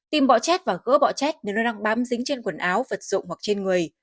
tìm bọ chét và gỡ bọ chét nếu nó đang bám dính trên quần áo vật dụng hoặc trên người